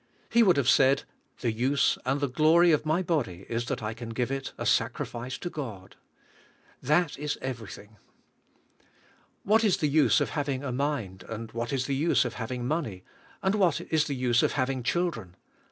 He would have said, "The use and the glory of my body is that I can give it a sacrifice to God. That is everything." What is the use of having a mind ; and what is the use of having money; and what is the use of hav ing children?